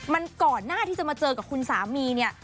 มันก่อนหน้าที่จะมาเจอกับคุณสามีเนี่ย